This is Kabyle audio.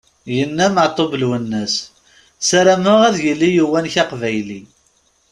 Yenna Meɛtub Lwennas: "sarameɣ ad yili uwanek aqbayli!"